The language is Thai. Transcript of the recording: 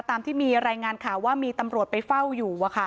ตามที่มีรายงานข่าวว่ามีตำรวจไปเฝ้าอยู่